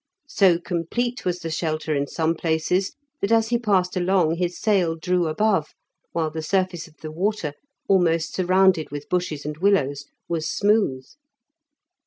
So complete was the shelter in some places, that as he passed along his sail drew above, while the surface of the water, almost surrounded with bushes and willows, was smooth.